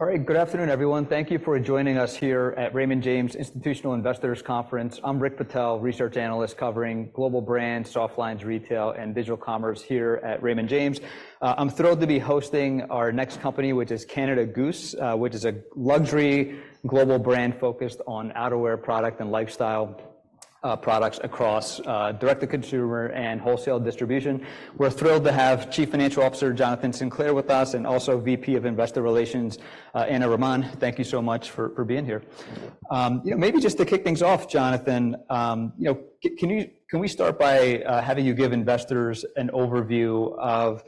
All right. Good afternoon, everyone. Thank you for joining us here at Raymond James Institutional Investors Conference. I'm Rick Patel, research analyst covering global brands, soft lines, retail, and digital commerce here at Raymond James. I'm thrilled to be hosting our next company, which is Canada Goose, which is a luxury global brand focused on outerwear product and lifestyle products across direct-to-consumer and wholesale distribution. We're thrilled to have Chief Financial Officer Jonathan Sinclair with us, and also VP of Investor Relations Ana Raman. Thank you so much for being here. You know, maybe just to kick things off, Jonathan, you know, can we start by having you give investors an overview of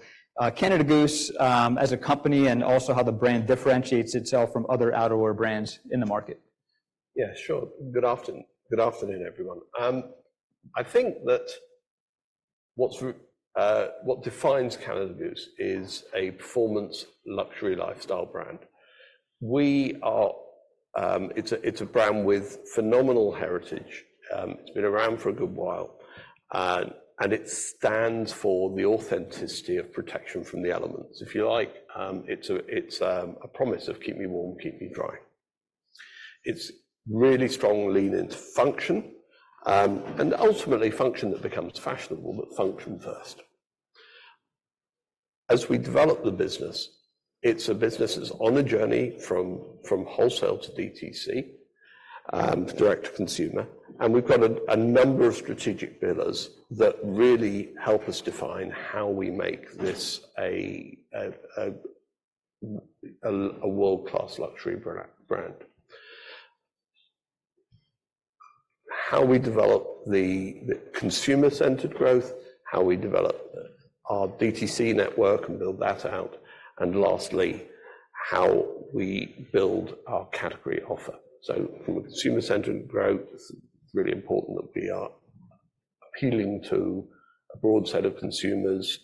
Canada Goose as a company, and also how the brand differentiates itself from other outerwear brands in the market? Yeah, sure. Good afternoon. Good afternoon, everyone. I think that what defines Canada Goose is a performance luxury lifestyle brand. We are. It's a brand with phenomenal heritage. It's been around for a good while. And it stands for the authenticity of protection from the elements. If you like, it's a promise of keep me warm, keep me dry. It's really strong lean into function, and ultimately function that becomes fashionable, but function first. As we develop the business, it's a business that's on a journey from wholesale to DTC, direct to consumer, and we've got a number of strategic pillars that really help us define how we make this a world-class luxury brand, brand. How we develop the consumer-centered growth, how we develop our DTC network and build that out, and lastly, how we build our category offer. So, from a consumer-centered growth, it's really important that we are appealing to a broad set of consumers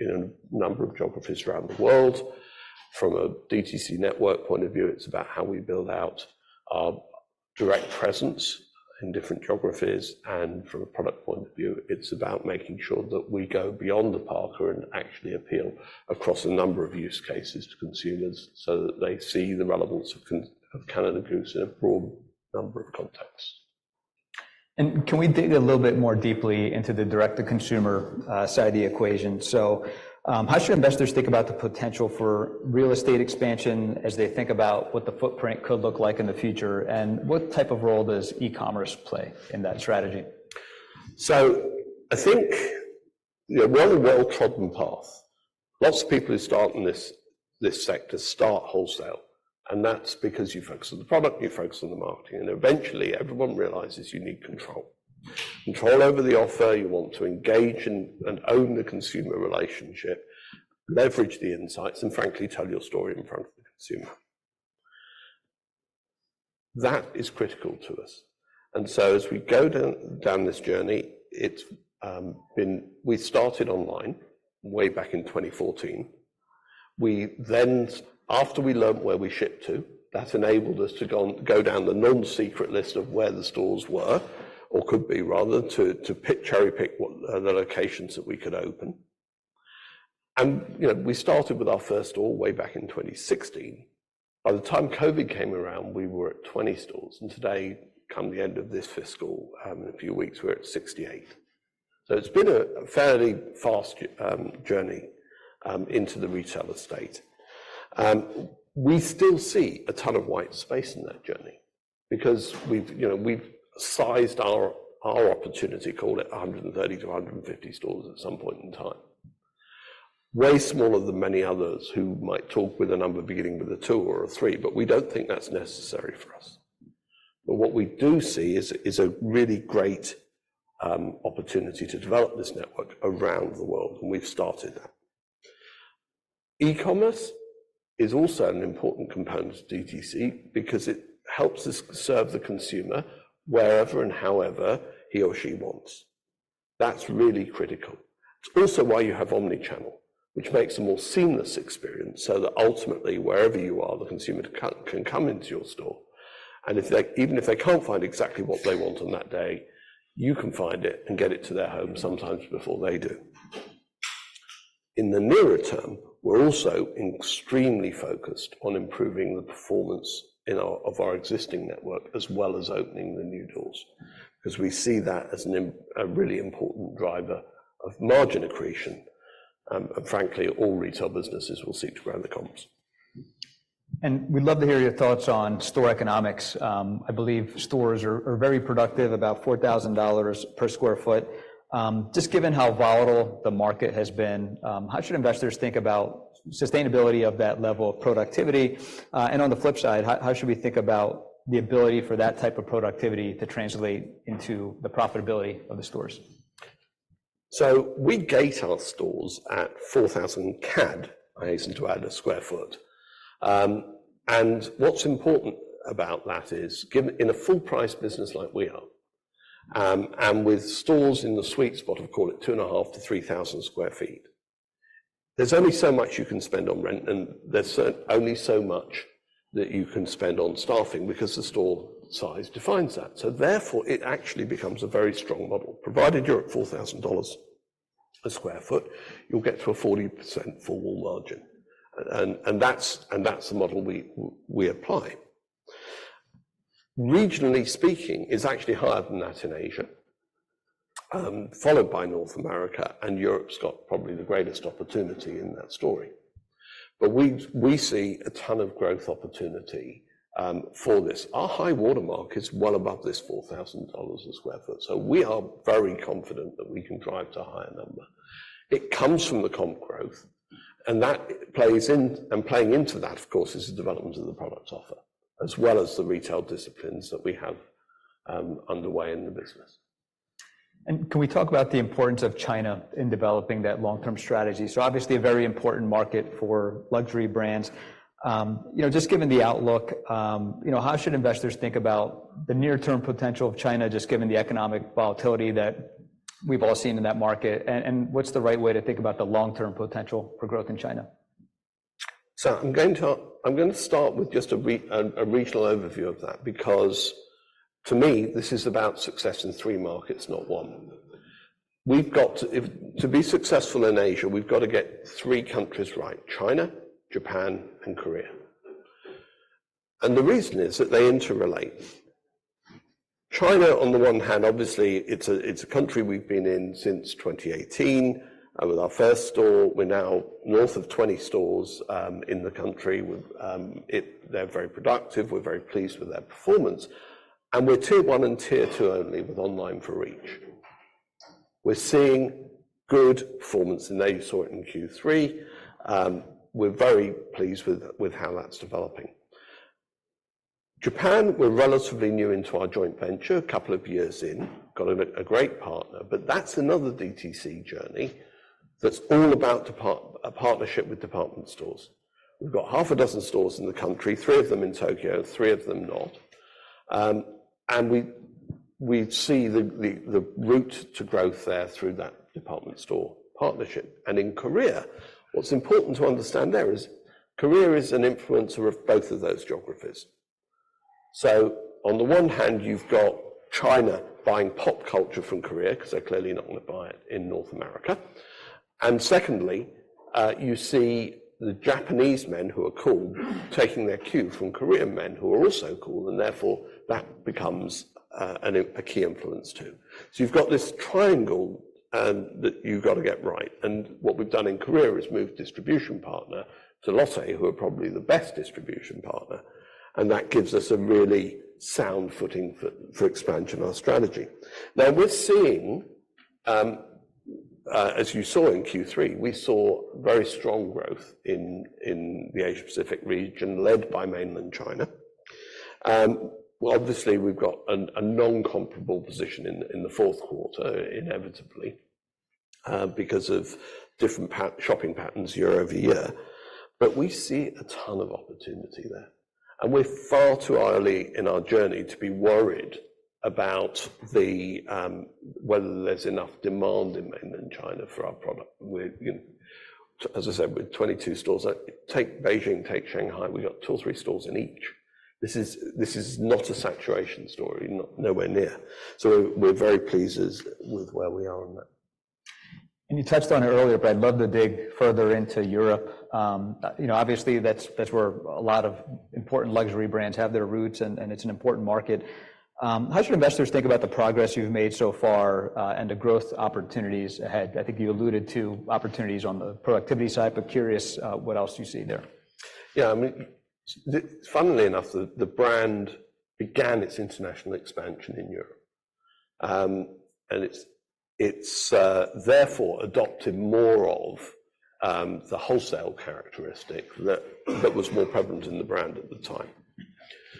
in a number of geographies around the world. From a DTC network point of view, it's about how we build out our direct presence in different geographies, and from a product point of view, it's about making sure that we go beyond the parka and actually appeal across a number of use cases to consumers, so that they see the relevance of Canada Goose in a broad number of contexts. Can we dig a little bit more deeply into the direct-to-consumer side of the equation? How should investors think about the potential for real estate expansion as they think about what the footprint could look like in the future, and what type of role does e-commerce play in that strategy? So I think, you know, we're a well-trodden path. Lots of people who start in this sector start wholesale, and that's because you focus on the product, you focus on the marketing, and eventually everyone realizes you need control. Control over the offer, you want to engage and own the consumer relationship, leverage the insights, and frankly, tell your story in front of the consumer. That is critical to us, and so as we go down this journey, it's been... We started online way back in 2014. We then, after we learned where we ship to, that enabled us to go down the non-secret list of where the stores were, or could be, rather, to pick cherry-pick what the locations that we could open. And, you know, we started with our first store way back in 2016. By the time COVID came around, we were at 20 stores, and today, come the end of this fiscal, in a few weeks, we're at 68. So, it's been a fairly fast journey into the retail estate. We still see a ton of white space in that journey because we've, you know, we've sized our opportunity, call it 130-150 stores at some point in time. Way smaller than many others who might talk with a number beginning with a two or a three, but we don't think that's necessary for us. But what we do see is a really great opportunity to develop this network around the world, and we've started that. E-commerce is also an important component of DTC because it helps us serve the consumer wherever and however he or she wants. That's really critical. It's also why you have omni-channel, which makes a more seamless experience, so that ultimately, wherever you are, the consumer can come into your store. And if they, even if they can't find exactly what they want on that day, you can find it and get it to their home sometimes before they do. In the nearer term, we're also extremely focused on improving the performance of our existing network, as well as opening the new doors, because we see that as a really important driver of margin accretion, and frankly, all retail businesses will seek to grow their comps. We'd love to hear your thoughts on store economics. I believe stores are very productive, about 4,000 dollars per sq ft. Just given how volatile the market has been, how should investors think about sustainability of that level of productivity? And on the flip side, how should we think about the ability for that type of productivity to translate into the profitability of the stores? So, we gate our stores at 4,000 CAD, I hasten to add, per sq ft. And what's important about that is, given in a full-price business like we are, and with stores in the sweet spot of, call it, 2.5-3,000 sq ft, there's only so much you can spend on rent, and there's only so much that you can spend on staffing because the store size defines that. So therefore, it actually becomes a very strong model, provided you're at 4,000 dollars per sq ft, you'll get to a 40% gross margin. And that's the model we apply. Regionally speaking, it's actually higher than that in Asia, followed by North America, and Europe's got probably the greatest opportunity in that story. But we see a ton of growth opportunity for this. Our high-water mark is well above this 4,000 dollars a sq ft, so we are very confident that we can drive to a higher number. It comes from the comp growth, and that plays into that, and playing into that, of course, is the development of the product offer, as well as the retail disciplines that we have underway in the business. Can we talk about the importance of China in developing that long-term strategy? Obviously, a very important market for luxury brands. You know, just given the outlook, you know, how should investors think about the near-term potential of China, just given the economic volatility that we've all seen in that market, and what's the right way to think about the long-term potential for growth in China? So, I'm going to start with just a regional overview of that, because to me, this is about success in three markets, not one. To be successful in Asia, we've got to get three countries right: China, Japan, and Korea. And the reason is that they interrelate. China, on the one hand, obviously, it's a country we've been in since 2018, with our first store. We're now north of 20 stores in the country. They're very productive. We're very pleased with their performance, and we're tier one and tier two only, with online for reach. We're seeing good performance, and now you saw it in Q3. We're very pleased with how that's developing. Japan, we're relatively new into our joint venture, a couple of years in. Got a great partner, but that's another DTC journey that's all about a partnership with department stores. We've got 6 stores in the country, 3 of them in Tokyo, 3 of them not. And we see the route to growth there through that department store partnership. And in Korea, what's important to understand there is Korea is an influencer of both of those geographies. So, on the one hand, you've got China buying pop culture from Korea, because they're clearly not going to buy it in North America. And secondly, you see the Japanese men who are cool taking their cue from Korean men, who are also cool, and therefore, that becomes a key influence, too. So, you've got this triangle that you've got to get right, and what we've done in Korea is move distribution partner to Lotte, who are probably the best distribution partner, and that gives us a really sound footing for expansion our strategy. Now, we're seeing, as you saw in Q3, we saw very strong growth in the Asia-Pacific region, led by mainland China. Well, obviously, we've got a non-comparable position in the fourth quarter, inevitably, because of different shopping patterns year-over-year. But we see a ton of opportunity there, and we're far too early in our journey to be worried about the whether there's enough demand in mainland China for our product. We're, you know, as I said, we're 22 stores. Take Beijing, take Shanghai, we've got two or three stores in each. This is not a saturation story, not nowhere near. So, we're very pleased with where we are on that. You touched on it earlier, but I'd love to dig further into Europe. You know, obviously, that's, that's where a lot of important luxury brands have their roots, and, and it's an important market. How should investors think about the progress you've made so far, and the growth opportunities ahead? I think you alluded to opportunities on the productivity side, but curious, what else you see there. Yeah, I mean, funnily enough, the brand began its international expansion in Europe. And it's therefore adopted more of the wholesale characteristic that was more prevalent in the brand at the time.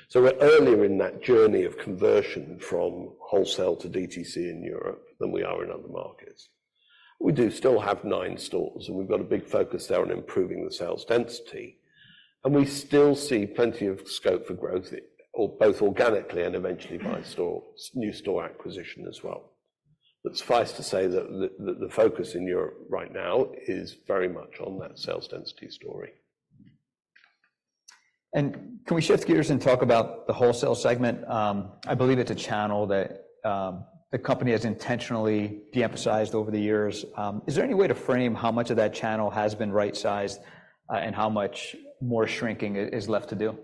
So, we're earlier in that journey of conversion from wholesale to DTC in Europe than we are in other markets. We do still have nine stores, and we've got a big focus there on improving the sales density, and we still see plenty of scope for growth, both organically and eventually by new store acquisition as well. But suffice to say that the focus in Europe right now is very much on that sales density story. Can we shift gears and talk about the wholesale segment? I believe it's a channel that the company has intentionally de-emphasized over the years. Is there any way to frame how much of that channel has been right-sized, and how much more shrinking is left to do?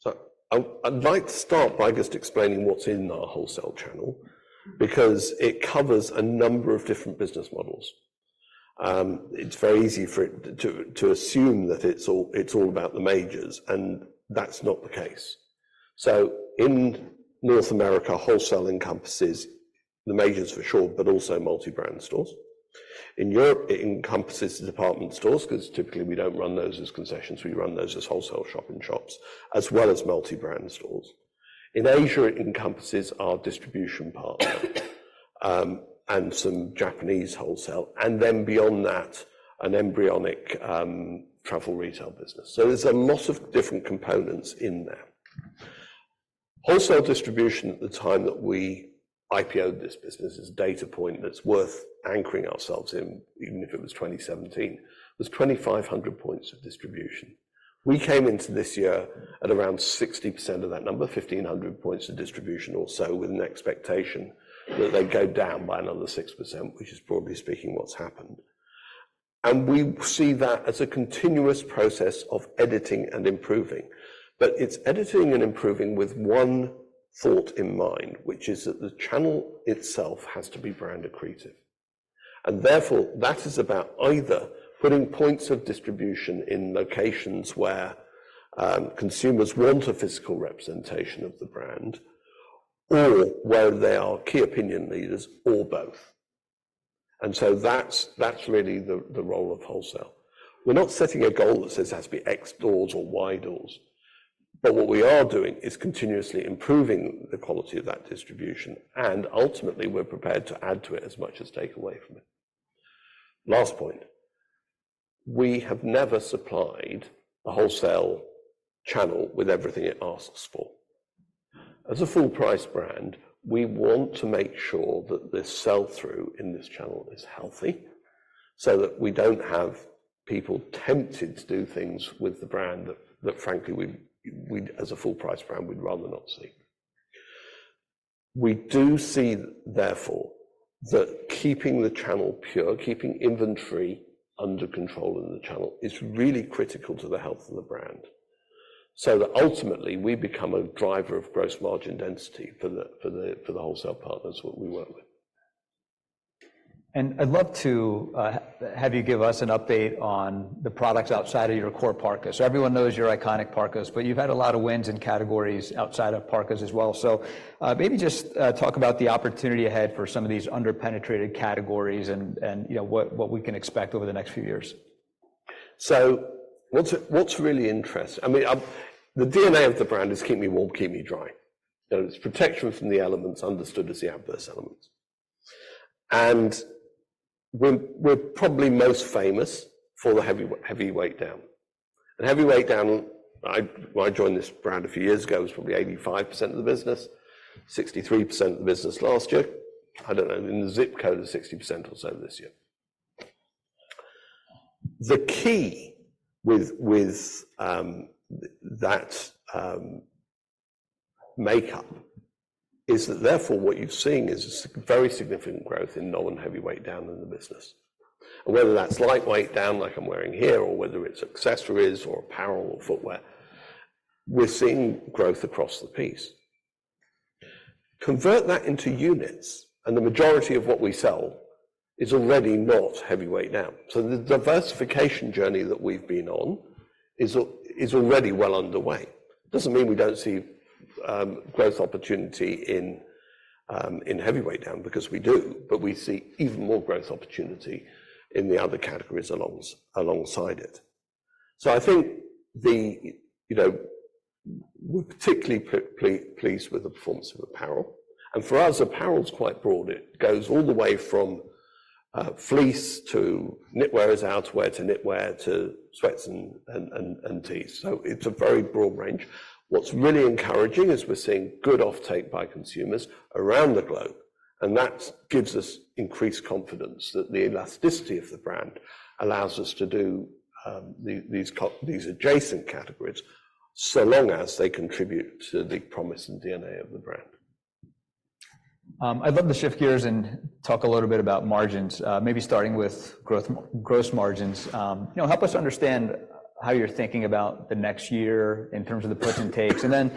So, I would like to start by just explaining what's in our wholesale channel, because it covers a number of different business models. It's very easy for it to assume that it's all about the majors, and that's not the case. So, in North America, wholesale encompasses the majors, for sure, but also multi-brand stores. In Europe, it encompasses the department stores, because typically we don't run those as concessions, we run those as wholesale shop-in-shops, as well as multi-brand stores. In Asia, it encompasses our distribution partner, and some Japanese wholesale, and then beyond that, an embryonic travel retail business. So there's a lot of different components in there. Wholesale distribution at the time that we IPO'd this business is a data point that's worth anchoring ourselves in, even if it was 2017. There's 2,500 points of distribution. We came into this year at around 60% of that number, 1,500 points of distribution or so, with an expectation that they'd go down by another 6%, which is broadly speaking, what's happened... and we see that as a continuous process of editing and improving. But it's editing and improving with one thought in mind, which is that the channel itself has to be brand accretive. And therefore, that is about either putting points of distribution in locations where consumers want a physical representation of the brand, or where they are key opinion leaders or both. And so that's really the role of wholesale. We're not setting a goal that says it has to be X doors or Y doors, but what we are doing is continuously improving the quality of that distribution, and ultimately, we're prepared to add to it as much as take away from it. Last point: we have never supplied a wholesale channel with everything it asks for. As a full-price brand, we want to make sure that the sell-through in this channel is healthy, so that we don't have people tempted to do things with the brand that frankly, as a full-price brand, we'd rather not see. We do see, therefore, that keeping the channel pure, keeping inventory under control in the channel, is really critical to the health of the brand. So that ultimately, we become a driver of gross margin density for the wholesale partners that we work with. I'd love to have you give us an update on the products outside of your core parkas. So everyone knows your iconic parkas, but you've had a lot of wins in categories outside of parkas as well. So maybe just talk about the opportunity ahead for some of these under-penetrated categories and you know what we can expect over the next few years. So, what's really interesting, I mean, the DNA of the brand is keep me warm, keep me dry. You know, it's protection from the elements, understood as the adverse elements. And we're probably most famous for the heavyweight down. And heavyweight down, when I joined this brand a few years ago, it was probably 85% of the business, 63% of the business last year. I don't know, in the zip code of 60% or so this year. The key with that makeup is that therefore, what you're seeing is a very significant growth in non-heavyweight down in the business. And whether that's lightweight down, like I'm wearing here, or whether it's accessories or apparel or footwear, we're seeing growth across the piece. Convert that into units, and the majority of what we sell is already not heavyweight down. So the diversification journey that we've been on is already well underway. Doesn't mean we don't see growth opportunity in heavyweight down, because we do, but we see even more growth opportunity in the other categories alongside it. So, I think... You know, we're particularly pleased with the performance of apparel. And for us, apparel is quite broad. It goes all the way from fleece to knitwear, outerwear to knitwear, to sweats and tees. So it's a very broad range. What's really encouraging is we're seeing good offtake by consumers around the globe, and that gives us increased confidence that the elasticity of the brand allows us to do these adjacent categories, so long as they contribute to the promise and DNA of the brand. I'd love to shift gears and talk a little bit about margins, maybe starting with gross margins. You know, help us understand how you're thinking about the next year in terms of the puts and takes, and then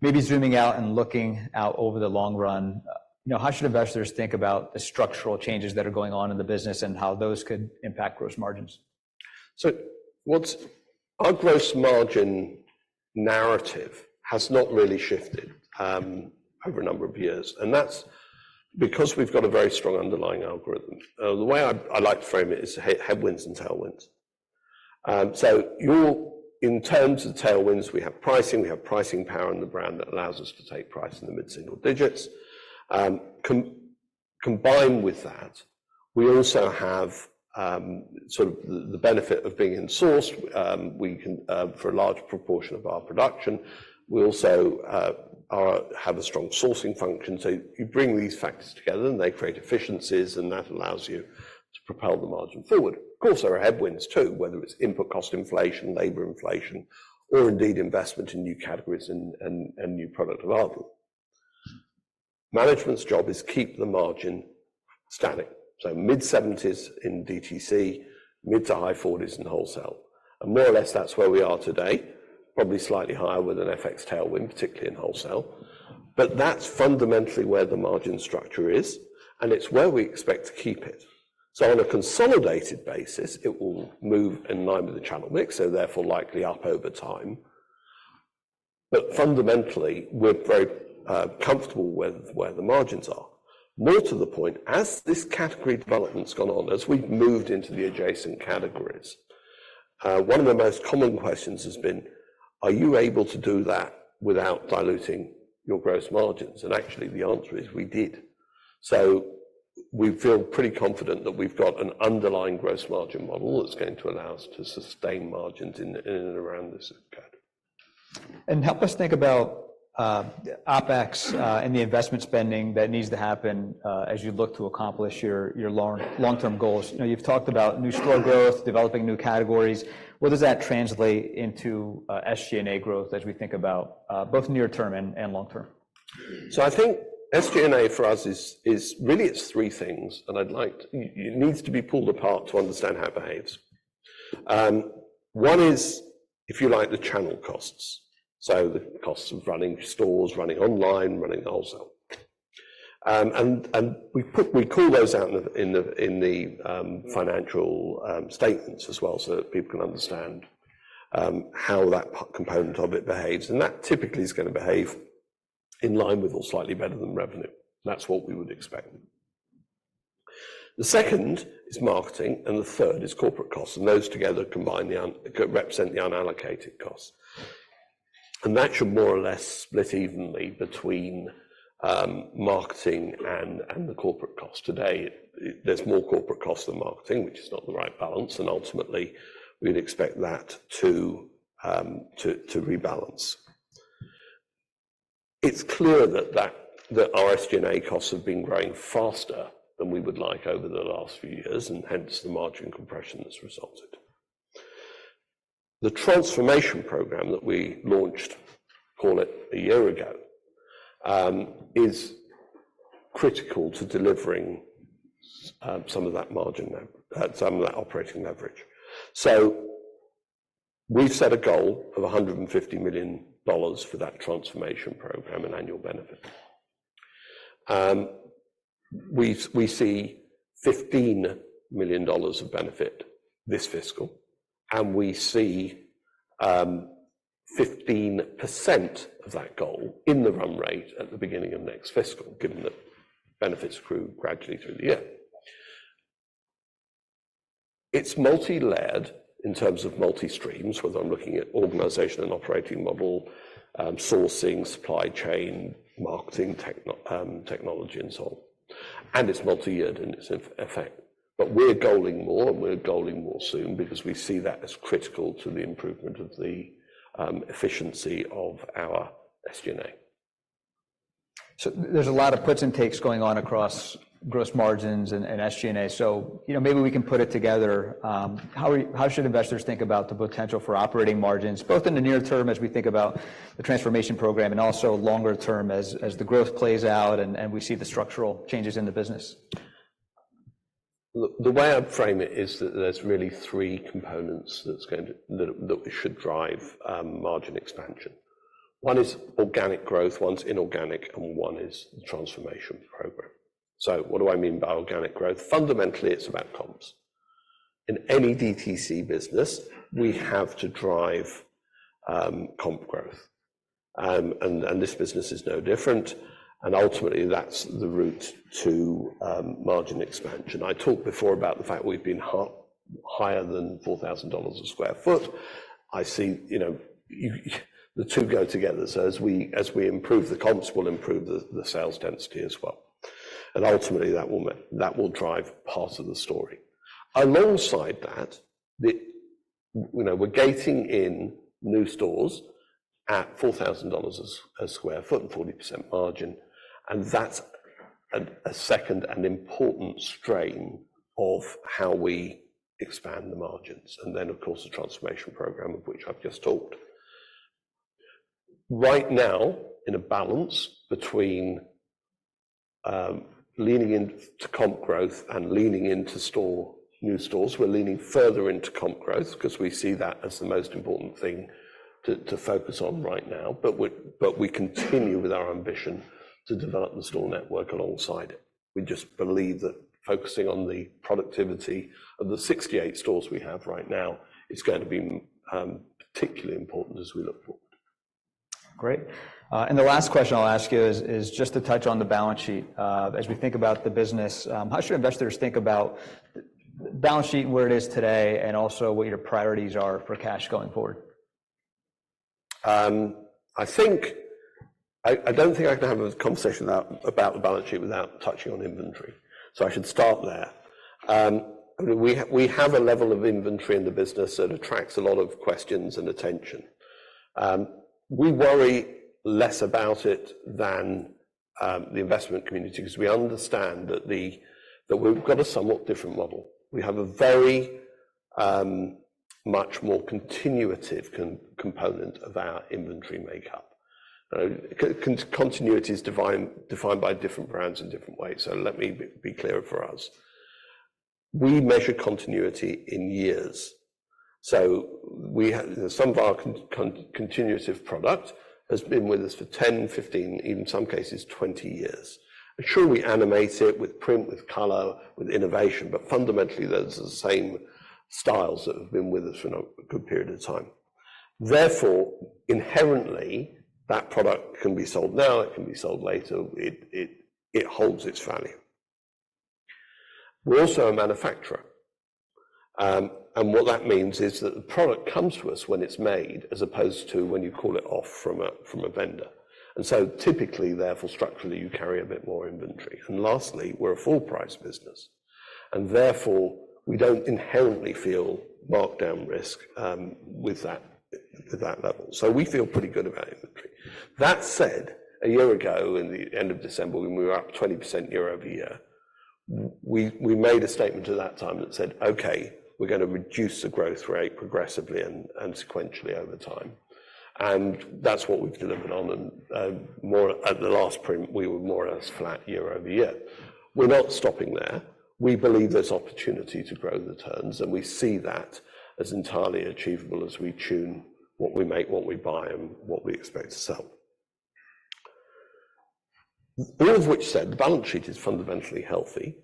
maybe zooming out and looking out over the long run. You know, how should investors think about the structural changes that are going on in the business and how those could impact gross margins? Our gross margin narrative has not really shifted over a number of years, and that's because we've got a very strong underlying algorithm. The way I like to frame it is headwinds and tailwinds. So, in terms of tailwinds, we have pricing, we have pricing power in the brand that allows us to take price in the mid-single digits. Combined with that, we also have the benefit of being insourced. We can, for a large proportion of our production, also have a strong sourcing function. So, you bring these facts together, and they create efficiencies, and that allows you to propel the margin forward. Of course, there are headwinds, too, whether it's input cost inflation, labor inflation, or indeed, investment in new categories and new product development. Management's job is keep the margin static, so mid-70s% in DTC, mid- to high-40s% in wholesale. And more or less, that's where we are today, probably slightly higher with an FX tailwind, particularly in wholesale. But that's fundamentally where the margin structure is, and it's where we expect to keep it. So, on a consolidated basis, it will move in line with the channel mix, so therefore, likely up over time. But fundamentally, we're very comfortable with where the margins are. More to the point, as this category development's gone on, as we've moved into the adjacent categories, one of the most common questions has been: Are you able to do that without diluting your gross margins? And actually, the answer is we did. So, we feel pretty confident that we've got an underlying gross margin model that's going to allow us to sustain margins in and around this category. Help us think about OpEx and the investment spending that needs to happen as you look to accomplish your long-term goals. You know, you've talked about new store growth, developing new categories. What does that translate into SG&A growth as we think about both near term and long term? So, I think SG&A for us is really it's three things, and it needs to be pulled apart to understand how it behaves. One is, if you like, the channel costs, so the costs of running stores, running online, running wholesale. And we call those out in the financial statements as well, so that people can understand how that component of it behaves, and that typically is going to behave in line with or slightly better than revenue. That's what we would expect. The second is marketing, and the third is corporate costs, and those together combine to represent the unallocated costs. And that should more or less split evenly between marketing and the corporate costs. Today, there's more corporate costs than marketing, which is not the right balance, and ultimately, we'd expect that to rebalance. It's clear that our SG&A costs have been growing faster than we would like over the last few years, and hence the margin compression that's resulted. The transformation program that we launched, call it a year ago, is critical to delivering some of that margin now, some of that operating leverage. So, we've set a goal of 150 million dollars for that transformation program and annual benefit. We see 15 million dollars of benefit this fiscal, and we see 15% of that goal in the run rate at the beginning of next fiscal, given that benefits grew gradually through the year. It's multi-layered in terms of multi-streams, whether I'm looking at organization and operating model, sourcing, supply chain, marketing, technology, and so on, and it's multi-year in its effect. But we're goaling more, and we're goaling more soon because we see that as critical to the improvement of the efficiency of our SG&A. So there's a lot of puts and takes going on across gross margins and SG&A. So, you know, maybe we can put it together. How should investors think about the potential for operating margins, both in the near term as we think about the transformation program, and also longer term as the growth plays out and we see the structural changes in the business? Look, the way I'd frame it is that there's really three components that's going to should drive margin expansion. One is organic growth, one's inorganic, and one is the transformation program. So what do I mean by organic growth? Fundamentally, it's about comps. In any DTC business, we have to drive comp growth, and this business is no different, and ultimately, that's the route to margin expansion. I talked before about the fact we've been higher than 4,000 dollars a sq ft. I see, you know, the two go together. So as we improve, the comps will improve the sales density as well, and ultimately, that will drive part of the story. Alongside that, the... You know, we're gating in new stores at 4,000 dollars a sq ft and 40% margin, and that's a second and important strain of how we expand the margins. And then, of course, the transformation program, of which I've just talked. Right now, in a balance between leaning into comp growth and leaning into store, new stores, we're leaning further into comp growth because we see that as the most important thing to focus on right now, but we continue with our ambition to develop the store network alongside it. We just believe that focusing on the productivity of the 68 stores we have right now is going to be particularly important as we look forward. Great. And the last question I'll ask you is, is just to touch on the balance sheet. As we think about the business, how should investors think about the balance sheet and where it is today, and also what your priorities are for cash going forward? I think... I don't think I can have a conversation about the balance sheet without touching on inventory, so I should start there. I mean, we have a level of inventory in the business that attracts a lot of questions and attention. We worry less about it than the investment community because we understand that we've got a somewhat different model. We have a very much more continuative component of our inventory makeup. Continuity is defined by different brands in different ways, so let me be clear for us. We measure continuity in years. So we have some of our continuative product has been with us for 10, 15, in some cases, 20 years. Sure, we animate it with print, with color, with innovation, but fundamentally, those are the same styles that have been with us for a good period of time. Therefore, inherently, that product can be sold now, it can be sold later. It holds its value. We're also a manufacturer, and what that means is that the product comes to us when it's made, as opposed to when you call it off from a vendor. And so typically, therefore, structurally, you carry a bit more inventory. And lastly, we're a full-price business, and therefore, we don't inherently feel markdown risk with that, at that level. So we feel pretty good about inventory. That said, a year ago, in the end of December, when we were up 20% year-over-year, we made a statement at that time that said, "Okay, we're going to reduce the growth rate progressively and sequentially over time." And that's what we've delivered on. And more at the last print, we were more or less flat year-over-year. We're not stopping there. We believe there's opportunity to grow the terms, and we see that as entirely achievable as we tune what we make, what we buy, and what we expect to sell. All of which said, the balance sheet is fundamentally healthy.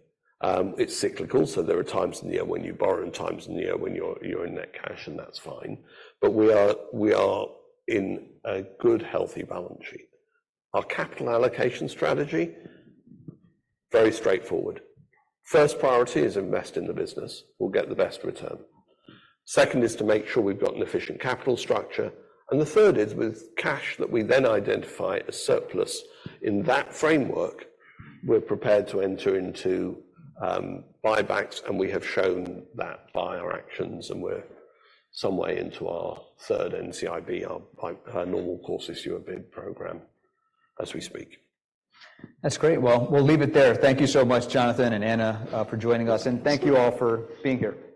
It's cyclical, so there are times in the year when you borrow and times in the year when you're in net cash, and that's fine. But we are in a good, healthy balance sheet. Our capital allocation strategy, very straightforward. First priority is invest in the business. We'll get the best return. Second is to make sure we've got an efficient capital structure, and the third is with cash that we then identify as surplus. In that framework, we're prepared to enter into buybacks, and we have shown that by our actions, and we're some way into our third NCIB, our normal course issuer bid program, as we speak. That's great. Well, we'll leave it there. Thank you so much, Jonathan and Ana, for joining us. Thanks. Thank you all for being here.